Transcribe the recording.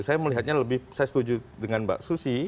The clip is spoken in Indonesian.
saya melihatnya lebih saya setuju dengan mbak susi